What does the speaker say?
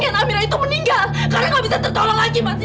saya takut nanti prabu husha menyerahkan kamu mas